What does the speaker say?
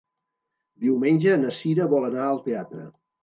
Diumenge na Sira vol anar al teatre.